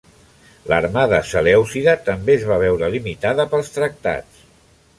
L'armada selèucida també es va veure limitada pels tractats.